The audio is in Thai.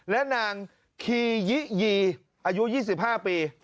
และนางคียิยีอายุ๒๕ปี